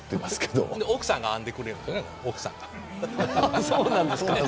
奥さんが編んでくれるんです。